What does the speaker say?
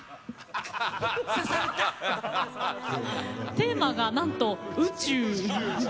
テーマがなんと、宇宙。